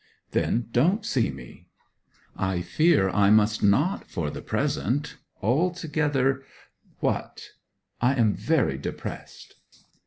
'Then don't see me.' 'I fear I must not for the present. Altogether ' 'What?' 'I am very depressed.'